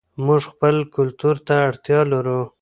موږ خپل کلتور ته اړتیا لرو.